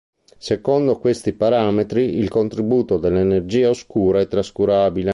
Secondo questi parametri, il contributo dell'energia oscura è trascurabile.